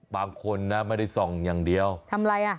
บางคนนะไม่ได้ส่องอย่างเดียวทำอะไรอ่ะ